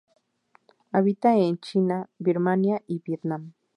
Habita en China, Birmania y Vietnam.